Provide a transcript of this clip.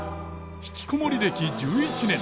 ひきこもり歴１１年。